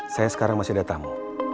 saya sekarang masih ada tamu